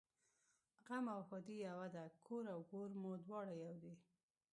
غم او ښادي یوه ده کور او ګور مو دواړه یو دي